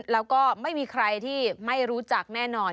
แล้วก็ไม่มีใครที่ไม่รู้จักแน่นอน